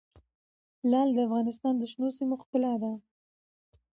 لعل د افغانستان د شنو سیمو ښکلا ده.